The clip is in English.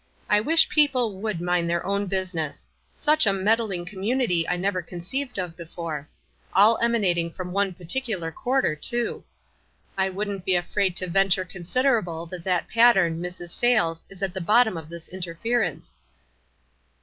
I wish people would mind their own business. Such a meddling com munity I never conceived of before — all ema nating from one particular quarter, too. I wouldn't be afraid to venture considerable that that pattern, Mrs. Sayles, is at the bottom of this interference."